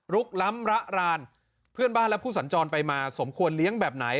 ล้ำระรานเพื่อนบ้านและผู้สัญจรไปมาสมควรเลี้ยงแบบไหน